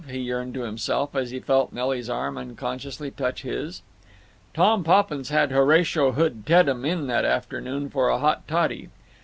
he yearned to himself, as he felt Nelly's arm unconsciously touch his. Tom Poppins had Horatio Hood Teddem in that afternoon for a hot toddy.